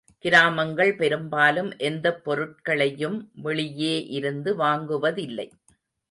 கிராமங்கள் பெரும்பாலும் எந்தப் பொருட்களையும் வெளியே இருந்து வாங்குவதில்லை.